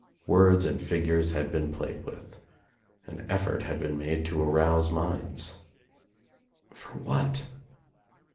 Words and figures had been played with. An effort had been made to arouse minds. For what?